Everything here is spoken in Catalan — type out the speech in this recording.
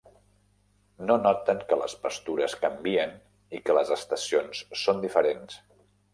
No noten que les pastures canvien i que les estacions són diferents.